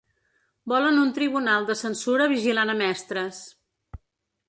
Volen un tribunal de censura vigilant a mestres.